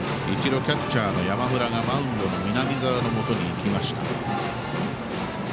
一度、キャッチャーの山村がマウンドの南澤のもとに行った。